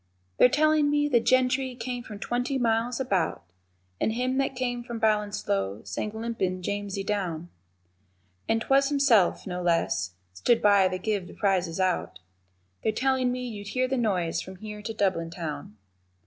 They're tellin' me the gentry came from twenty miles about, And him that came from Ballinsloe sang limpin' Jamesey down, And 'twas Himself, no less, stood by to give the prizes out, They're tellin' me you'd hear the noise from here to Dublin town.